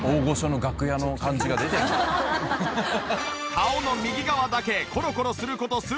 顔の右側だけコロコロする事数分。